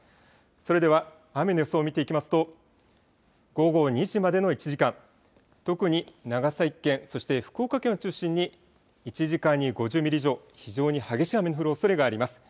それでは雨の予想を見ていきますと午後２時までの１時間特に長崎県そして福岡県を中心に１時間に５０ミリ以上非常に激しい雨の降るおそれがあります。